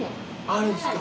あるんすか？